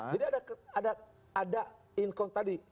jadi ada inkon tadi